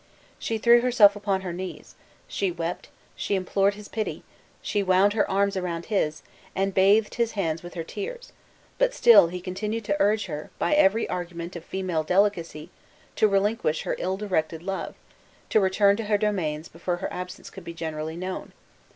She threw herself upon her knees, she wept, she implored his pity, she wound her arms around his, and bathed his hands with her tears, but still he continued to urge her, by every argument of female delicacy, to relinquish her ill directed love, to return to her domains before her absence could be generally known.